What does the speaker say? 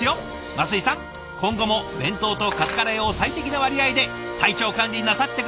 升井さん今後も弁当とカツカレーを最適な割合で体調管理なさって下さい。